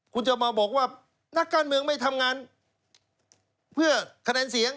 คุณจะมาบอกว่านักการเมืองไม่ทำงานเพื่อคะแนนเสียง